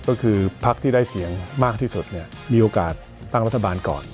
ก็คือพักที่ได้เสียงมากที่สุดเนี่ยมีโอกาสตั้งรัฐบาลก่อน